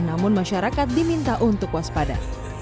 namun masyarakat diminta untuk waspada